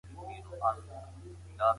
هغه نيوکه کوونکي په خپلو خبرو کي تېروتنه کوي.